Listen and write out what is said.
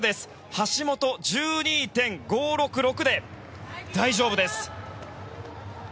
橋本、１２．５６６で大丈夫です。